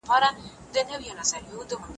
خر د بام پر سر